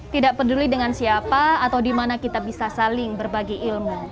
tidak peduli dengan siapa atau dimana kita bisa saling berbagi ilmu